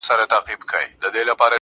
له مانه زړه مه وړه له ما سره خبرې وکړه_